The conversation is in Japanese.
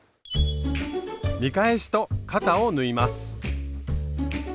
見返しと肩を縫います。